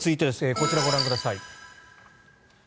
こちらご覧ください。